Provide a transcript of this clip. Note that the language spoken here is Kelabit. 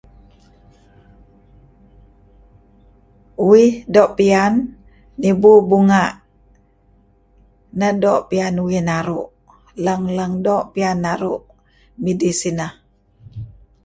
Uih doo' piyan nibu bunga' doo' piyan uih naru'' Lang-lang doo' piyan naru' midih sineh.